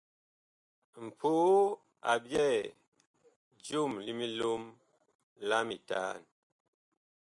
Mpoo a byɛɛ joom li milom la mitaan.